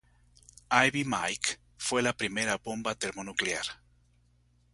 Ivy Mike fue la primera bomba termonuclear.